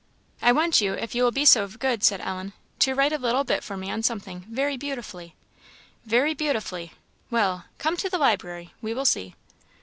"I want you, if you will be so good," said Ellen, "to write a little bit for me on something, very beautifully." " 'Very beautifully!' Well come to the library; we will see."